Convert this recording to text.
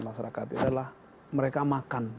masyarakat adalah mereka makan